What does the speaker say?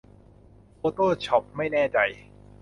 โฟโต้ช็อปไม่แน่ใจ